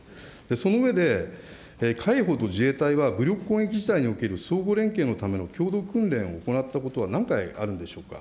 その上で、海保と自衛隊は武力攻撃における相互連携のための共同訓練を行ったことは何回あるんでしょうか。